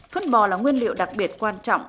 phân bò là nguyên liệu đặc biệt quan trọng